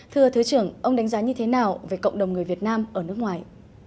thưa thứ trưởng ông đánh giá như thế nào về cộng đồng người việt nam ở nước ngoài